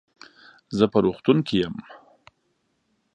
زه په روغتون کې يم.